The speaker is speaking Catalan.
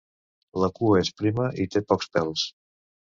La cua és prima i té pocs pèls.